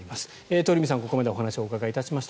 鳥海さんにここまでお話をお伺いしました。